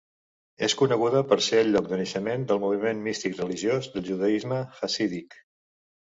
És coneguda per ser el lloc de naixement del moviment místic religiós del judaisme hassídic.